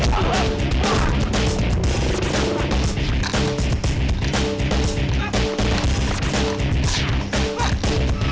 ini bukan nama jahat